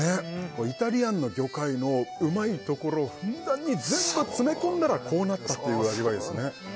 イタリアンの魚介のうまいところをふんだんに全部詰め込んだらこうなったっていう味わいですね。